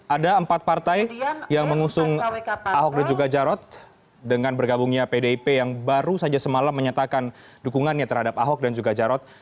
ada empat partai yang mengusung ahok dan juga jarot dengan bergabungnya pdip yang baru saja semalam menyatakan dukungannya terhadap ahok dan juga jarot